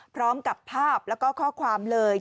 พร้อมกับภาพแล้วก็ข้อความเลย